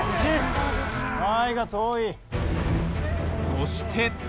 そして。